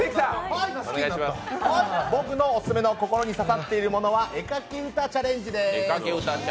僕のオススメの心に刺さっているものは絵描き歌チャレンジです。